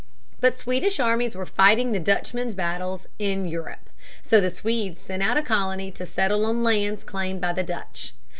But Swedish armies were fighting the Dutchmen's battles in Europe. So the Swedes sent out a colony to settle on lands claimed by the Dutch.